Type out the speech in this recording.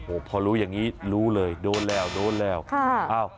โอ้โหพอรู้อย่างนี้รู้เลยโดนแล้วโดนแล้วค่ะอ้าว